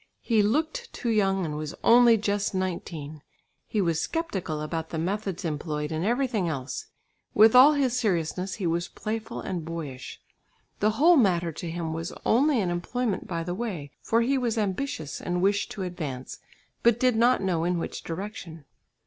He looked too young and was only just nineteen; he was sceptical about the methods employed and everything else; with all his seriousness he was playful and boyish. The whole matter to him was only an employment by the way, for he was ambitious and wished to advance, but did not know in which direction.